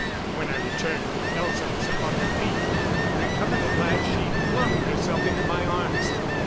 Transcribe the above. When I returned, Elza was upon her feet. Recovered at last she flung herself into my arms.